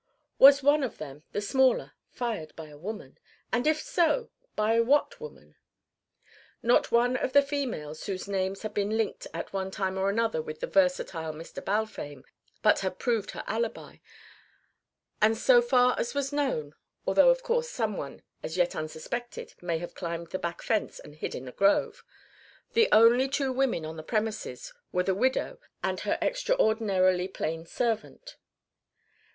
Was one of them the smaller fired by a woman? And if so, by what woman? Not one of the females whose names had been linked at one time or another with the versatile Mr. Balfame but had proved her alibi, and so far as was known although of course some one as yet unsuspected may have climbed the back fence and hid in the grove the only two women on the premises were the widow and her extraordinarily plain servant.